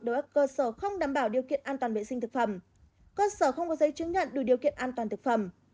đối với cơ sở không đảm bảo điều kiện an toàn vệ sinh thực phẩm cơ sở không có giấy chứng nhận đủ điều kiện an toàn thực phẩm